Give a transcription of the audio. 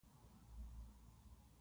څو ژوندي وي په دنيا کې يادوي دې په دعا